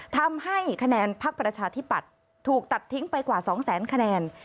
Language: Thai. ทำให้คะแนนพักประชาธิปัตย์ถูกตัดทิ้งไปกว่า๒แสนคะแนน